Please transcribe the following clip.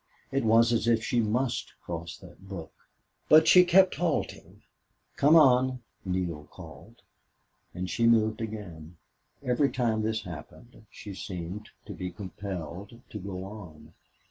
It was as if she must cross that brook. But she kept halting. "Come on!" Neale called. And she moved again. Every time this happened she seemed to be compelled to go on.